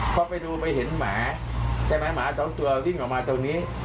พอไปดูไปเห็นหมาใช่ไหมหมาสองตัววิ่งออกมาตรงนี้